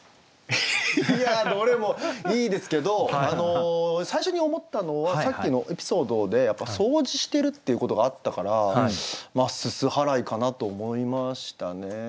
いやどれもいいですけど最初に思ったのはさっきのエピソードで掃除してるっていうことがあったから「煤払」かなと思いましたね。